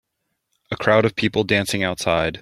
A crowd of people dancing outside.